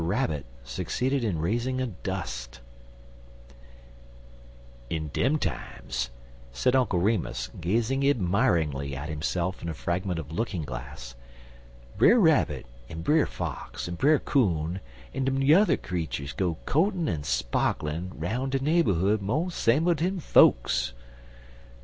RABBIT SUCCEEDED IN RAISING A DUST "IN dem times," said Uncle Remus, gazing admiringly at himself in a fragment of looking glass, "Brer Rabbit, en Brer Fox, en Brer Coon, en dem yuther creeturs go co'tin' en sparklin' 'roun' de naberhood mo' samer dan folks.